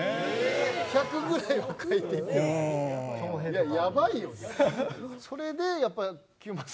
いややばいよね。